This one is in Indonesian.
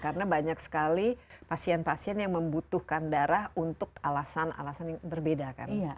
karena banyak sekali pasien pasien yang membutuhkan darah untuk alasan alasan yang berbeda kan